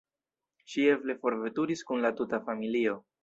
Ŝi eble forveturis kun la tuta familio.